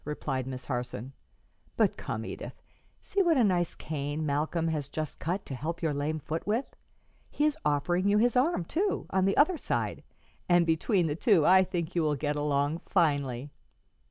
replied Miss Harson. "But come, Edith; see what a nice cane Malcolm has just cut to help your lame foot with. He is offering you his arm, too, on the other side, and between the two I think you will get along finely."